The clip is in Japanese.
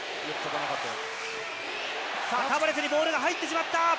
さあ、タバレスにボールが入ってしまった。